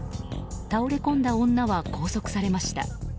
倒れ込んだ女は、拘束されました。